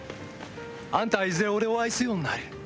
あんたはいずれ俺を愛すようになる。